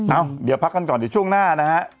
เอาเดี๋ยวพักกันก่อนช่วงหน้านะฮะ